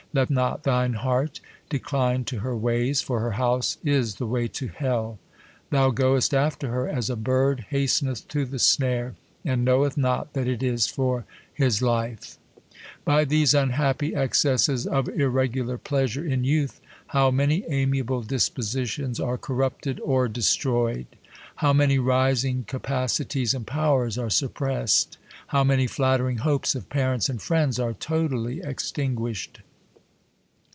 Let not thine heart decline to her ways ; for her house is the way to helL Thou goest after her as a bird has i^?rieth to the snare, and knoweth not that it is for By these unhappy excesses of irregular pleasure in youth, how many amiable dispositions are corrupted or destroyed ! How many rising capacities and powers are suppressed ! How many flattering hopes of parents and friends are totally extinguished